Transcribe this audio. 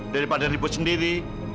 daripada ribut sendiri